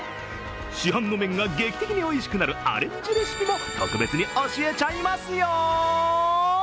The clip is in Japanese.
市販の麺が劇的においしくなるアレンジレシピも特別に教えちゃいますよ。